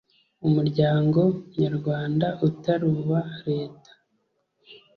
umuryango nyarwanda utari uwa Leta